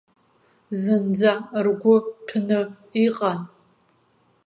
Зынӡа ргәы ҭәны иҟан.